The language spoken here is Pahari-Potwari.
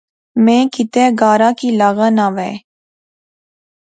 میں کتے گارا کی لاغا ناں وہے